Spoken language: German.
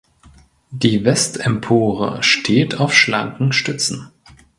Des Westempore steht auf schlanken Stützen.